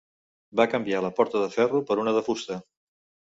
Va canviar la porta de ferro per una de fusta.